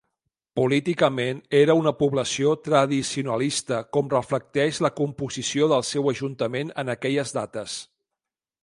Políticament era una població tradicionalista com reflecteix la composició del seu ajuntament en aquelles dates.